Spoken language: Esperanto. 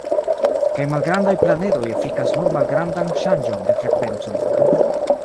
Kaj malgrandaj planedoj efikas nur malgrandan ŝanĝon de frekvenco.